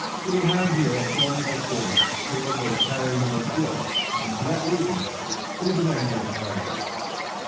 "We have here a formidable force capable of carrying your fort, and, for that reason, we demand your surrender.